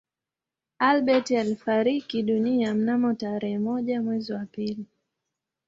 Albert alifariki dunia mnamo tarehe moja mwezi wa pili